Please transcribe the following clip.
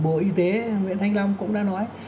bộ y tế nguyễn thanh long cũng đã nói